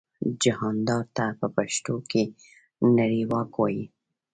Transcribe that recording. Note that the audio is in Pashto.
جهاندار ته په پښتو کې نړیواک وايي.